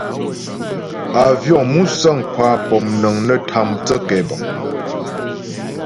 Àvyɔ̌ŋ (musə̀ŋ) kwa pɔ̌mnəŋ nə́ tâ mthə́ kɛbəŋ.